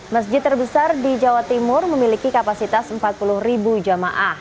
masjid terbesar di jawa timur memiliki kapasitas empat puluh ribu jamaah